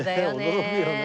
驚くよね。